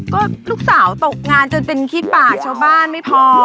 ก็ลูกสาวตกงานจนเป็นขี้ปากชาวบ้านไม่พอ